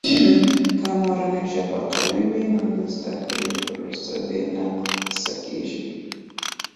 که مورنۍ ژبه قوي وي، نو د زده کړې پروسه بې نقصه کیږي.